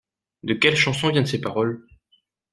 De quelle chanson viennent ces paroles?